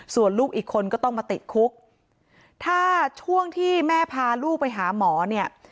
ส่วนลูกอีกคนก็ต้องมาติดคุกถ้าช่วงที่แม่พาลูกไปหาหมอเนี่ย